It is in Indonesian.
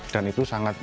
dan itu sangat jelas